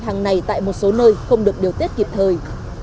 những ngày này tại một số nơi không được điều tiết kịp thời